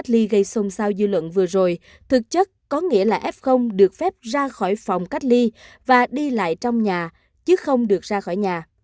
cách ly gây xôn xao dư luận vừa rồi thực chất có nghĩa là f được phép ra khỏi phòng cách ly và đi lại trong nhà chứ không được ra khỏi nhà